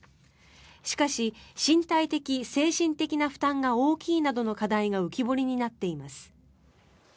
しかし、身体的・精神的な負担が大きいなどの課題が浮き彫りになっています。